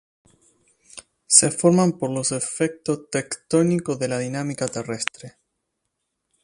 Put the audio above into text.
Se forman por los efectos tectónicos de la dinámica terrestre.